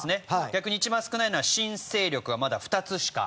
逆に一番少ないのは新勢力がまだ２つしか。